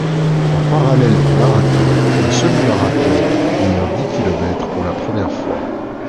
En parallèle du Marathon, un semi-marathon et un dix kilomètres pour la première fois.